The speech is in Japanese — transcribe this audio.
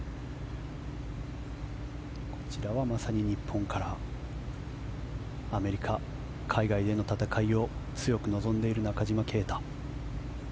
こちらはまさに日本からアメリカ、海外での戦いを強く望んでいる中島啓太。